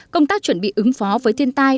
công tác chuẩn bị ứng phó với thiên tai